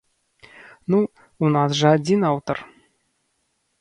Ну, у нас жа адзін аўтар.